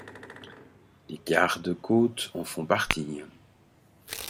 Les garde-côtes en font partie.